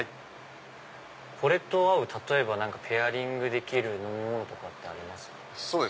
これと合うペアリングできる飲み物とかってありますか？